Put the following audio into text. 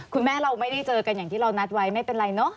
คุณแม่เราไม่ได้เจอกันอย่างที่เรานัดไว้ไม่เป็นไรเนอะ